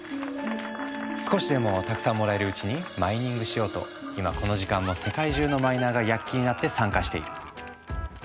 少しでもたくさんもらえるうちにマイニングしようと今この時間も世界中のマイナーが躍起になって参加している。